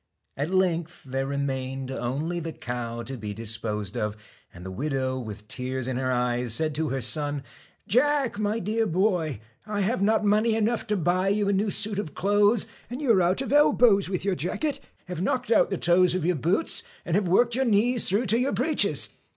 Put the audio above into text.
At length there remained only the cow to be dis posed of, and the widow, with tears in her eyes. TACK said to her son: 'Jack, my dear boy, I have not BEAN^ mone y enough to buy you a new suit of clothes, STALK anc ^ y u are out ^ e lb ws with y ur jacket, have knocked out the toes of your boots, and worked your knees through your breeches.